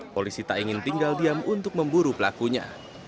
polisi tak ingin tinggal diam untuk memburu pelakunya